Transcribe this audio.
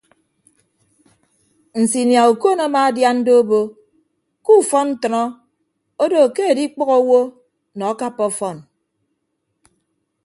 Nsinia okon amaadian obo ke ufọn ntʌnọ odo ke adikpʌghọ owo nọ akappa ọfọn.